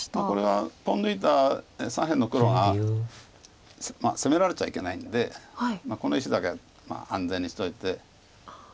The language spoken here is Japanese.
これはポン抜いた左辺の黒が攻められちゃいけないんでこの石だけは安全にしといて。